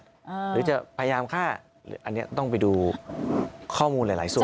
หรือจะพยายามฆ่าอันนี้ต้องไปดูข้อมูลหลายส่วน